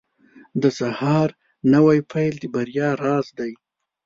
• د سهار نوی پیل د بریا راز دی.